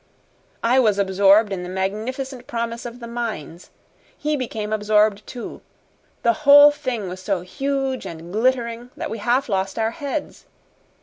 I was absorbed in the magnificent promise of the mines. He became absorbed, too. The whole thing was so huge and glittering that we half lost our heads.